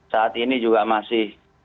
saat ini juga masih